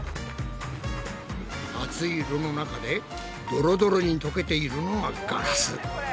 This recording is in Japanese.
熱い炉の中でドロドロに溶けているのがガラス。